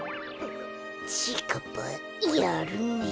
ちぃかっぱやるねえ。